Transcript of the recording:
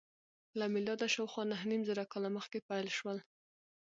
له میلاده شاوخوا نهه نیم زره کاله مخکې پیل شول.